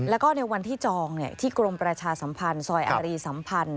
แล้วก็ในวันที่จองที่กรมประชาสัมพันธ์ซอยอารีสัมพันธ์